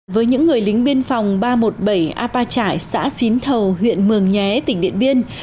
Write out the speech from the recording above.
với những người lính biên phòng ba trăm một mươi bảy apa trải xã xín thầu huyện mường nhé tỉnh điện biên